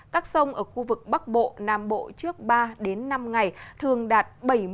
các sông ở khu vực bắc bộ nam bộ trước ba năm ngày thường đạt bảy mươi tám mươi